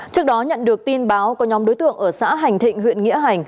trước đó nhận được tin báo có nhóm đối tượng ở xã hành thịnh huyện nghĩa hành